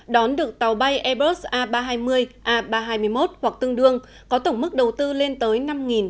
đón được tàu bay airbus a ba trăm hai mươi a ba trăm hai mươi một hoặc tương đương có tổng mức đầu tư lên tới năm chín trăm linh ba tỷ đồng